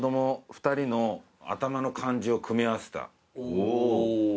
おお。